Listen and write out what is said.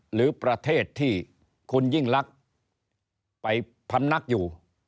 หรือประเทศที่คุณยิ่งลักษณ์ไปพำนักอยู่